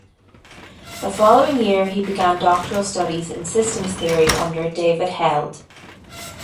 The following year he began doctoral studies in Systems theory under David Held.